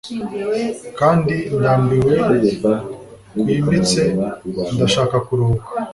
Kandi ndambiwe kwimbitse ndashaka kuruhuka